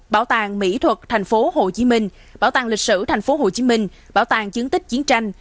bảo tàng mỹ thuật tp hcm bảo tàng lịch sử tp hcm bảo tàng chứng tích chiến tranh